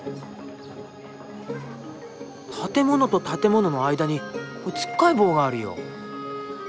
建物と建物の間につっかえ棒があるよ。